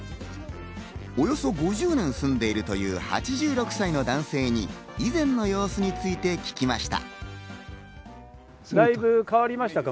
およそ５０年住んでいるという８６歳の男性に以前の様子について聞きました。